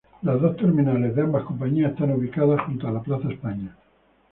Las dos terminales de ambas compañías están ubicadas junto a la plaza España.